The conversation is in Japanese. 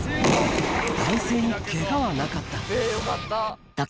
男性にけがはなかった。